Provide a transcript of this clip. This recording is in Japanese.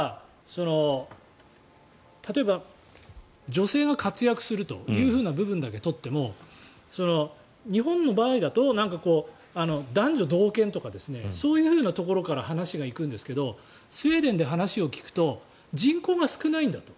例えば女性が活躍するという部分だけ取っても日本の場合だと男女同権とかそういうふうなところから話が行くんですけどスウェーデンで話を聞くと人口が少ないんだと。